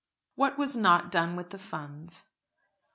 WHAT WAS NOT DONE WITH THE FUNDS.